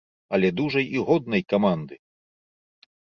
Але дужай і годнай каманды!